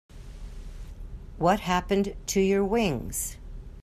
What happened to your wings?